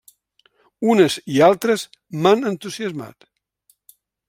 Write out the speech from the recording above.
Unes i altres m'han entusiasmat.